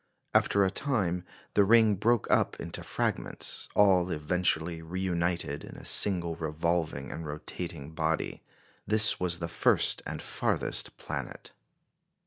After a time, the ring broke up into fragments, all eventually reunited in a single revolving and rotating body. This was the first and farthest planet.